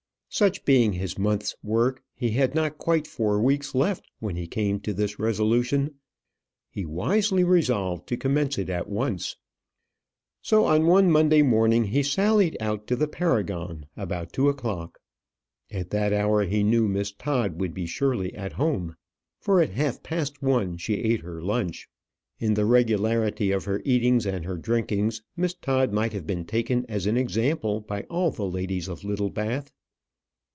Such being his month's work he had not quite four weeks left when he came to this resolution he wisely resolved to commence it at once. So on one Monday morning he sallied out to the Paragon about two o'clock. At that hour he knew Miss Todd would be surely at home; for at half past one she ate her lunch. In the regularity of her eatings and her drinkings, Miss Todd might have been taken as an example by all the ladies of Littlebath.